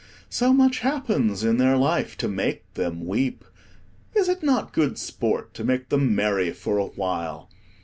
so much happens in their life to make them weep, is it not good sport to make them merry for awhile?